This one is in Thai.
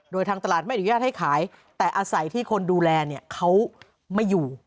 โดยทางตลาดไม่อนุญาตให้ขายแต่อาศัยที่คนดูแลเนี่ยเขาไม่อยู่